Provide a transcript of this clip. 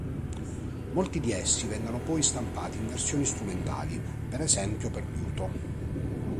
Molti di essi vennero poi stampati in versioni strumentali, per esempio per liuto.